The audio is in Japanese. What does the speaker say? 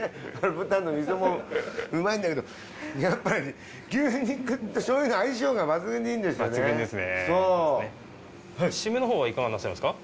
豚の味噌もうまいんだけどやっぱり牛肉と醤油の相性が抜群にいいんですよね。